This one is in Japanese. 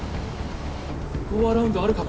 ゴーアラウンドあるかも。